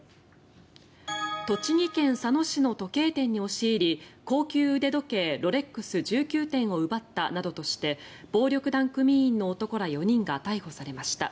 栃木県佐野市の時計店に押し入り高級腕時計ロレックス１９点を奪ったなどとして暴力団組員の男ら４人が逮捕されました。